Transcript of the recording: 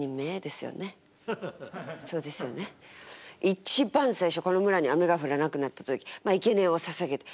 一番最初この村に雨が降らなくなった時まあいけにえをささげて。